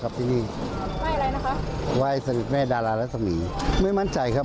กับที่นี่ไหว้อะไรนะคะไหว้สเด็ดแม่ดารารสมีไม่มั่นใจครับ